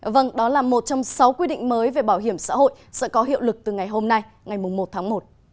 vâng đó là một trong sáu quy định mới về bảo hiểm xã hội sẽ có hiệu lực từ ngày hôm nay ngày một tháng một